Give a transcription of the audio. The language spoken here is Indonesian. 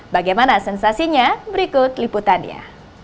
bagaimana sensasinya berikut liputannya